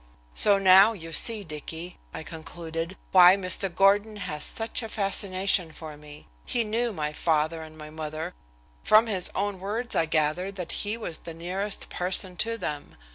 "So now you see, Dicky," I concluded, "why Mr. Gordon has such a fascination for me. He knew my father and my mother from his own words I gather that he was the nearest person to them.